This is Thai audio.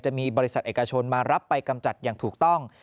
จะมีบริษัทเอกชนมารับไปกำจัดอย่างถูกต้อง